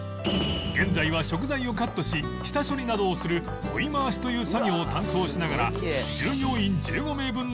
現在は食材をカットし下処理などをする追い回しという作業を担当しながら